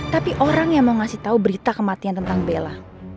tapi orang yang mau ngasih tahu berita kematian tentang bella